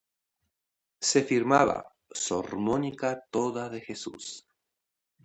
Se firmaba: Sor Mónica toda de Jesús.